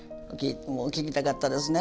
もう聞きたかったですね。